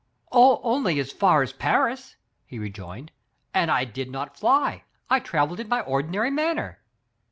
"Only as far as Paris," he rejoined, "and I did not fly. I traveled in my ordinary manner."